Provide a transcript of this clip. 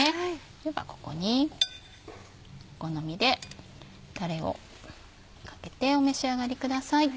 ではここにお好みでタレをかけてお召し上がりください。